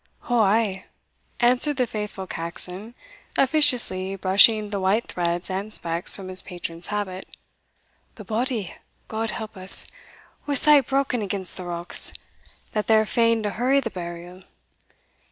"Ou, ay," answered the faithful Caxon, officiously brushing the white threads and specks from his patron's habit. "The body, God help us! was sae broken against the rocks that they're fain to hurry the burial.